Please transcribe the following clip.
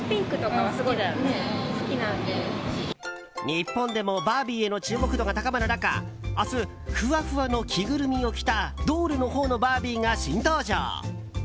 日本でもバービーへの注目度が高まる中明日、ふわふわの着ぐるみを着たドールのほうのバービーが新登場。